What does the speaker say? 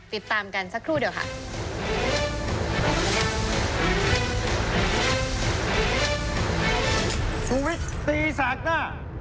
ติดตามกันสักครู่เดียวค่ะ